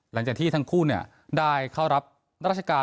หลังจากที่ทั้งคู่ได้เข้ารับราชการ